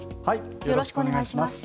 よろしくお願いします。